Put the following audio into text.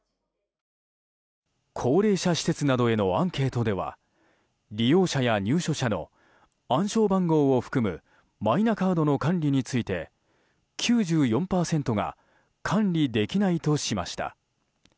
高齢者施設などへのアンケートでは利用者や入所者の暗証番号を含むマイナカードの管理について９４％が管理できないとしました。